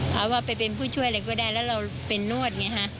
หาว่าไปเป็นผู้ช่วยอะไรก็ได้แล้วเราเป็นนวดไงฮะ